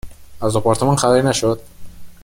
از آپارتمان خبری نشد ؟